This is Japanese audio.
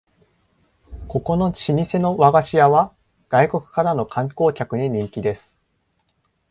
ここの老舗の和菓子屋は外国からの観光客に人気です